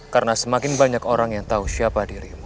karena semakin banyak orang yang tahu siapa dirimu